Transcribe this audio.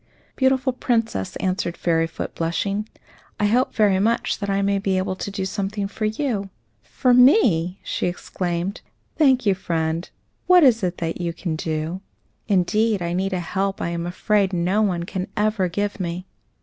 "Beautiful Princess," answered Fairyfoot, blushing, "I hope very much that I may be able to do something for you." "For me!" she exclaimed. "Thank you, friend; what is it you can do? Indeed, I need a help I am afraid no one can ever give me."